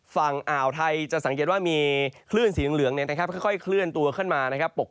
ฝั่งอ่าวไทยจะสังเกตว่ามีคลื่นสีเหลืองค่อยเคลื่อนตัวขึ้นมานะครับ